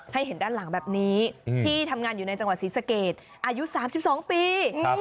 เห็นด้านหลังแบบนี้ที่ทำงานอยู่ในจังหวัดศรีสเกตอายุ๓๒ปี